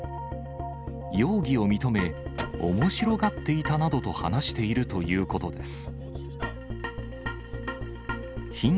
容疑を認め、おもしろがっていたなどと話しているということです。